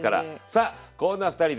さあこんな２人で。